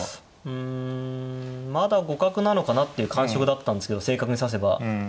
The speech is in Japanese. うんまだ互角なのかなっていう感触だったんですけど正確に指せば。